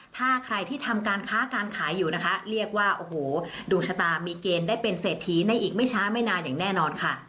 ถ้าใครที่ทำการค้าการขายอยู่นะคะเรียกว่าโอ้โหดวงชะตามีเกณฑ์ได้เป็นเศรษฐีในอีกไม่ช้าไม่นานอย่างแน่นอนค่ะ